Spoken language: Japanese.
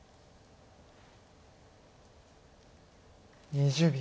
２０秒。